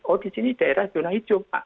oh di sini daerah zona hijau pak